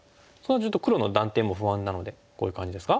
ちょっと黒の断点も不安なのでこういう感じですか？